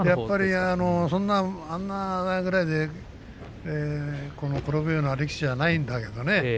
あんなぐらいで転ぶような力士じゃないんだけどね